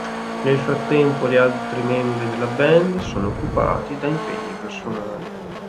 Nel frattempo, gli altri membri della band sono occupati da impegni personali.